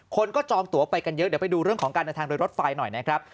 คนก็จองตัวไปกันเยอะเดี๋ยวไปดูเรื่องของการเดินทางโดยรถไฟหน่อยนะครับ